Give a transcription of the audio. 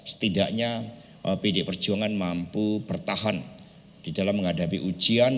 setidaknya pdi perjuangan mampu bertahan di dalam menghadapi ujian